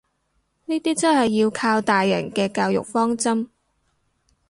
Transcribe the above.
呢啲真係要靠大人嘅教育方針